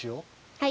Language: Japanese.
はい。